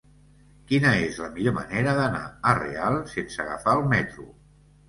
Quina és la millor manera d'anar a Real sense agafar el metro?